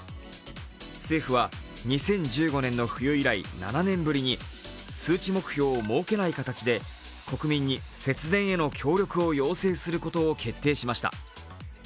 政府は２０１５年の冬以来、７年ぶりに数値目標を設けない形で国民に節電への協力を要請することを決定しました。